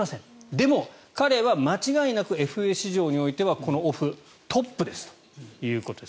でも、彼は間違いなくＦＡ市場においてはこのオフトップですということです。